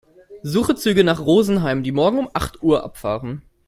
Suche Züge nach Rosenheim, die morgen um acht Uhr abfahren.